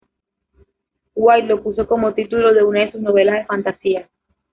White lo puso como título de una de sus novelas de fantasía.